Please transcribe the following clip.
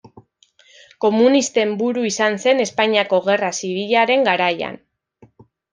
Komunisten buru izan zen Espainiako Gerra Zibilaren garaian.